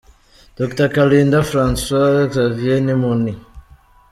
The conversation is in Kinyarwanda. Dr Kalinda François Xavier ni munti? .